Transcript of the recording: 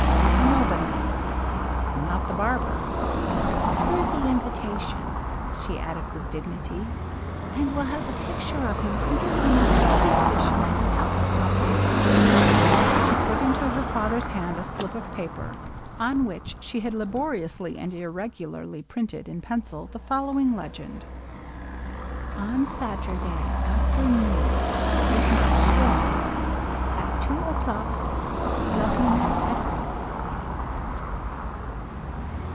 Nobody else. Not the barber. " Here 's ' e invitation," she added with dignity, ^^and we'll have a picture of him printed on his puppy cushion at ' e top. Papa." She put into her father's hand a slip of paper, on which she had laboriously and irregularly printed in penca the following legend :— On Sattebdat, After Nune. ip not stobmt. AT 2 O CLUK. LOVELINESS At Home.